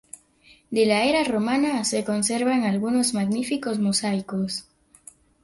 De la era romana se conservan algunos magníficos mosaicos.